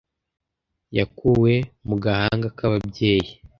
yakuwe mu gahanga k'ababyeyi